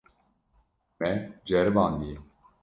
Me ceribandiye.